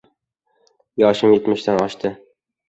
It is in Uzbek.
Yoshim yetmishdan oshdi.